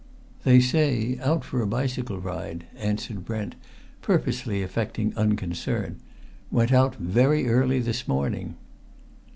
"They say out for a bicycle ride," answered Brent, purposely affecting unconcern. "Went out very early this morning."